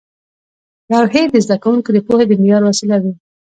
لوحې د زده کوونکو د پوهې د معیار وسیله وې.